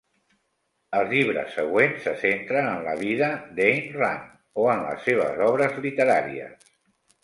Els llibres següents se centren en la vida d'Ayn Rand o en les seves obres literàries.